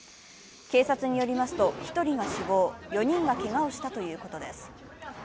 警察によりますと、１人が死亡、４人がけがをしたということです。